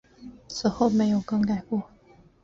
此后没有更改过。